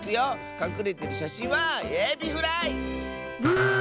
かくれてるしゃしんはエビフライ！ブー。